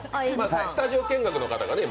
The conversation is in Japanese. スタジオ見学の方がね、今。